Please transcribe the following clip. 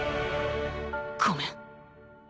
ごめん